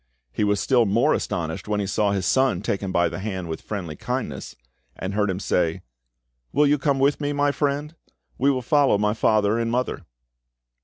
He was still more astonished when he saw his son take him by the hand with friendly kindness, and heard him say— "Will you come with me, my friend? We will follow my father and mother."